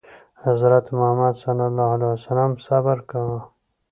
حضرت محمد ﷺ صبر کاوه.